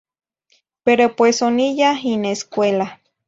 Pero pues oniyah in escuela.